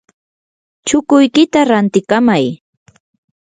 chukuykita rantikamay.